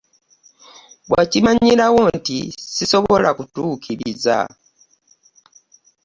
Wakimanyirawo nti ssisobola kutuukiriza.